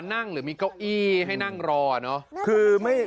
มานั่งหรือมีเก้าอี้ให้นั่งรอเนาะ